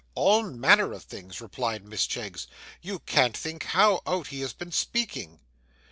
'All manner of things,' replied Miss Cheggs, 'you can't think how out he has been speaking!